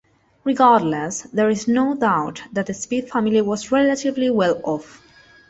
Regardless, there is no doubt that the Speed family was relatively well-off.